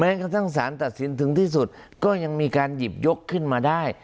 กระทั่งสารตัดสินถึงที่สุดก็ยังมีการหยิบยกขึ้นมาได้